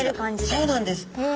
そうなんです。